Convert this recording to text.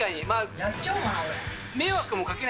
やっちゃおうかな。